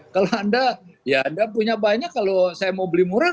kalau anda punya banyak kalau saya mau beli murah